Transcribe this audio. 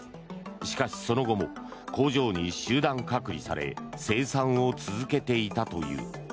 しかし、その後も工場に集団隔離され生産を続けていたという。